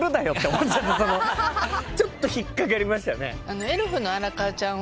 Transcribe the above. ちょっと引っ掛かりましたね。